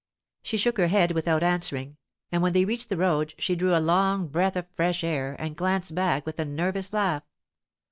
She shook her head without answering, and when they reached the road she drew a long breath of fresh air and glanced back with a nervous laugh.